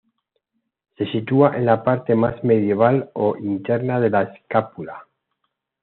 Se sitúa en la parte más medial o interna de la escápula.